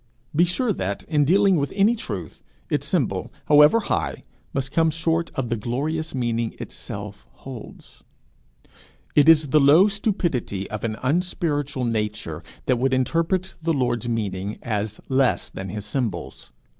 Be sure that, in dealing with any truth, its symbol, however high, must come short of the glorious meaning itself holds. It is the low stupidity of an unspiritual nature that would interpret the Lord's meaning as less than his symbols.